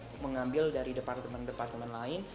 saya hanya mengambil dari departemen departemen lain